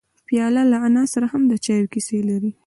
پیاله له انا سره هم د چایو کیسې لري.